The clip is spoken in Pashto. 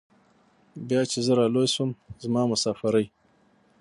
بيا چې زه رالوى سوم زما مسافرۍ.